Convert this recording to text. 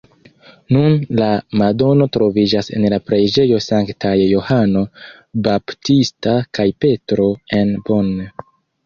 Nun la madono troviĝas en la preĝejo Sanktaj Johano Baptista kaj Petro en Bonn.